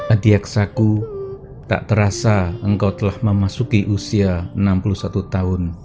adiaksaku tak terasa engkau telah memasuki usia enam puluh satu tahun